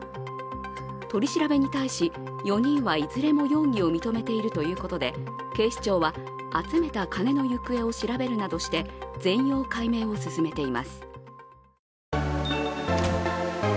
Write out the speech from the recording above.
取り調べに対し、４人はいずれも容疑を認めているということで警視庁は集めた金の行方を調べるなどして全容解明を進めています。